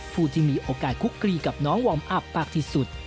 ผู้ที่มีโอกาสคุกกรีกับน้องวอร์มอัพมากที่สุด